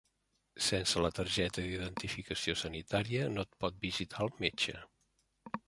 Sense la targeta d'identificació sanitària no et pot visitar el metge.